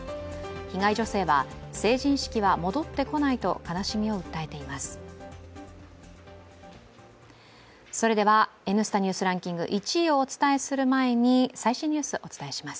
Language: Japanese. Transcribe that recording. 被害女性は成人式は戻ってこないと悲しみを訴えています。